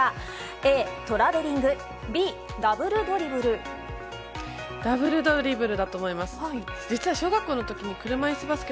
Ａ、トラベリングＢ、ダブルドリブル。